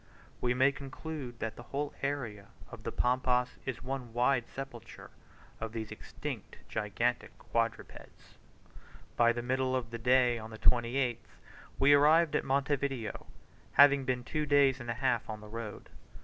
We may conclude that the whole area of the Pampas is one wide sepulchre of these extinct gigantic quadrupeds. By the middle of the day, on the 28th, we arrived at Monte Video, having been two days and a half on the road.